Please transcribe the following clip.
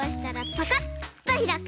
パカッとひらく。